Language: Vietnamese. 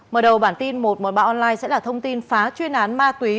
mở đầu bản tin một trăm một mươi ba online sẽ là thông tin phá chuyên án ma túy